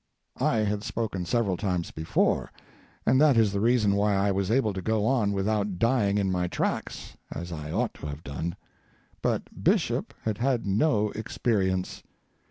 I had spoken several times before, and that is the reason why I was able to go on without dying in my tracks, as I ought to have done—but Bishop had had no experience.